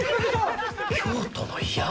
京都の病？